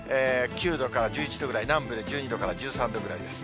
９度から１１度ぐらい、南部で１２度から１３度ぐらいです。